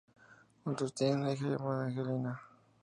Juntos tiene una hija llamada Angelina.